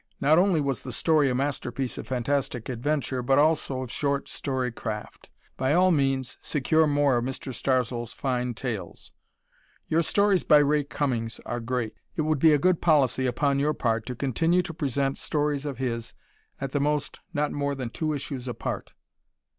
Not only was the story a masterpiece of fantastic adventure but also of short story craft. By all means secure more of Mr. Starzl's fine tales. Your stories by Ray Cummings are great. It would be a good policy upon your part to continue to present stories of his at the most not more than two issues apart.